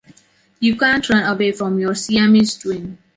You can’t run away from your Siamese twin.